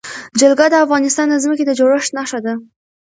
جلګه د افغانستان د ځمکې د جوړښت نښه ده.